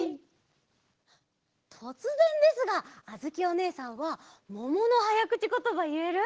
とつぜんですがあづきおねえさんはもものはやくちことばいえる？